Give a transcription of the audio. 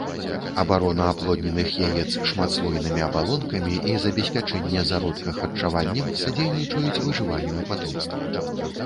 Абарона аплодненых яец шматслойнымі абалонкамі і забеспячэнне зародка харчаваннем садзейнічаюць выжыванню патомства.